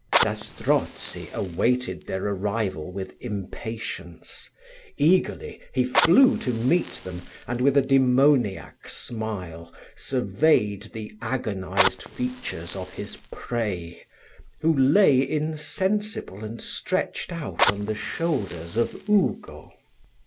Zastrozzi awaited their arrival with impatience: eagerly he flew to meet them, and, with a demoniac smile, surveyed the agonised features of his prey, who lay insensible and stretched on the shoulders of Ugo.